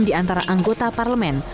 di antara anggota parlemen